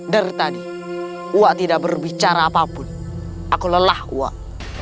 dari tadi wak tidak berbicara apapun aku lelah wak